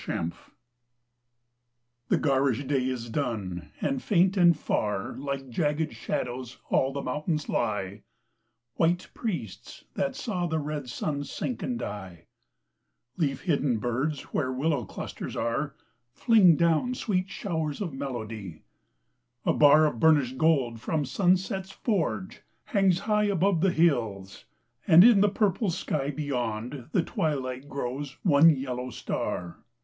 47 E'Ventide, The garish day is done, and faint and far Like jagged shadows all the mountains lie — White priests that saw the red sun sink and die; Leaf hidden birds where willow clusters are Fling down sweet showers of melody ; a bar Of burnished gold from sunset's forge hangs high Above the hills and in the purple sky Beyond, the twilight grows one yellow star.